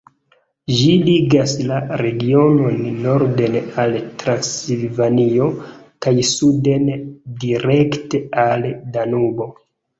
Ĝi ligas la regionon norden al Transilvanio kaj suden direkte al Danubo.